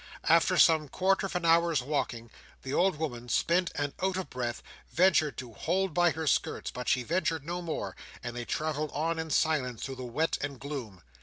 After some quarter of an hour's walking, the old woman, spent and out of breath, ventured to hold by her skirts; but she ventured no more, and they travelled on in silence through the wet and gloom.